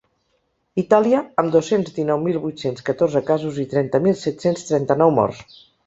Itàlia, amb dos-cents dinou mil vuit-cents catorze casos i trenta mil set-cents trenta-nou morts.